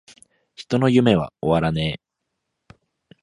人の夢は!!!終わらねェ!!!!